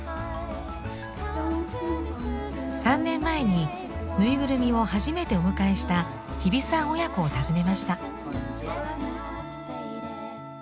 ３年前にぬいぐるみを初めてお迎えした日比さん親子を訪ねました。